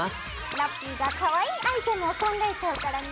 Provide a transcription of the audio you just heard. ラッピィがかわいいアイテムを考えちゃうからね。